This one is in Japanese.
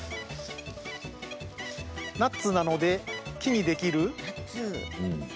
ナッツなので木にできる？